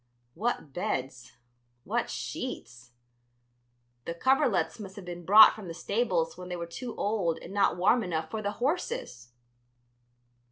What beds! what sheets! the coverlets must have been brought from the stables when they were too old and not warm enough for the horses!